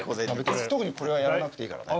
特にこれはやらなくていいからね。